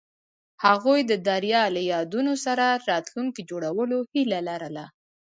هغوی د دریا له یادونو سره راتلونکی جوړولو هیله لرله.